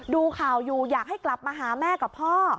ดูข่าวอยู่อยากให้กลับมาหาแม่กับพ่อ